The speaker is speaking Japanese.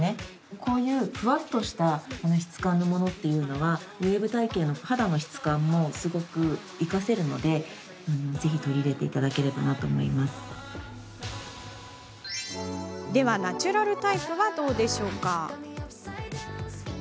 こういう、ふわっとした質感のものっていうのはウエーブ体形の肌の質感もすごく生かせるのででは、ナチュラルタイプはどうでしょうか？